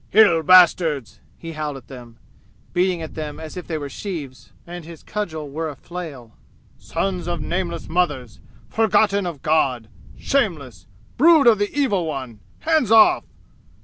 "Hill bastards!" he howled at them, beating at them as if they were sheaves and his cudgel were a flail. "Sons of nameless mothers! Forgotten of God! Shameless! Brood of the evil one! Hands off!"